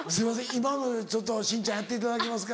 今のしんちゃんやっていただけますか？